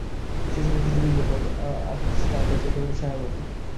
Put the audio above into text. সে-সমস্ত জরুরি ব্যাপার আজ তার কাছে একেবারে ছায়ার মতো।